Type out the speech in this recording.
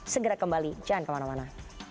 segera kembali jangan kemana mana